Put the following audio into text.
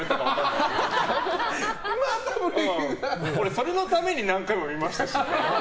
その度に何回も見ましたし。